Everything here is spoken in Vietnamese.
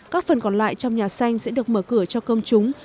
các phần còn lại trong nhà xanh sẽ được mở cửa cho công chúng